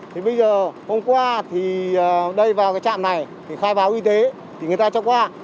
thì bây giờ hôm qua thì đây vào cái trạm này thì khai báo y tế thì người ta cho qua